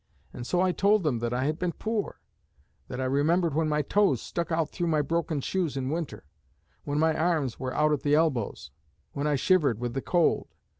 And so I told them that I had been poor; that I remembered when my toes stuck out through my broken shoes in winter; when my arms were out at the elbows; when I shivered with the cold.